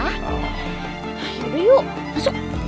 yaudah yuk masuk